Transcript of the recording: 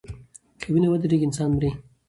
که وینه ودریږي انسان مري.